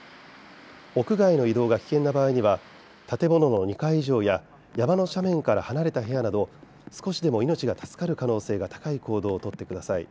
屋外の移動が危険な場合は建物の２階以上や、山の斜面から離れた部屋など少しでも命が助かる可能性が高い行動をとってください。